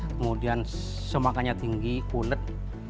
kemudian semangkanya tinggi kunet